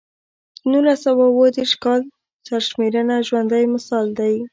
د نولس سوه اووه دېرش کال سرشمېرنه ژوندی مثال دی.